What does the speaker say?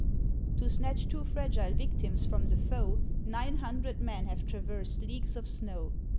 To snatch two fragile victims from the foe Nine hundred men have traversed leagues of snow.